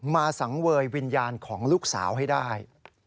สังเวยวิญญาณของลูกสาวให้ได้